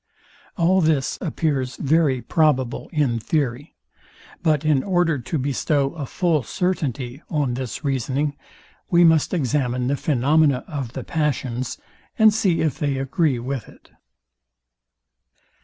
10. All this appears very probable in theory; but in order to bestow a full certainty on this reasoning, we must examine the phaenonena of the passions, and see if they agree with it.